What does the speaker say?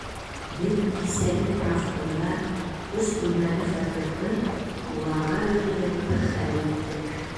Беҙ кисәге профкомда өс бүлмәле фатирҙы уларға бирергә тип хәл иттек.